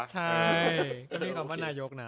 ใช่ก็ใช้คำว่านายกนะ